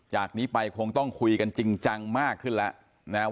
จากนี้ไปคงต้องคุยกันจริงจังมากขึ้นแล้วนะครับ